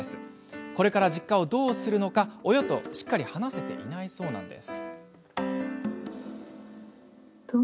これから実家をどうするのか親としっかり話せていないそうです。